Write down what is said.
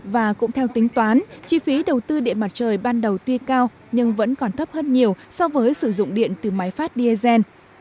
và cũng theo tính toán chi phí đầu tư điện mặt trời ban đầu tuy cao nhưng vẫn còn thấp hơn nhiều so với sử dụng điện từ máy phát diesel